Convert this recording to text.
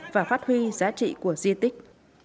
và phát huy giá trị của di tích